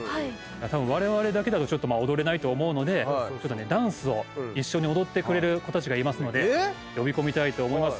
われわれだけだと踊れないと思うのでダンスを一緒に踊ってくれる子たちいますので呼び込みたいと思います。